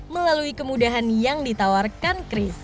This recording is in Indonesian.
melalui kemudahan yang ditawarkan chris